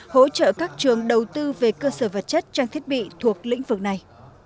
hỗ trợ các trường đầu tư về cơ sở vật chất trang thiết bị thuộc lĩnh vực này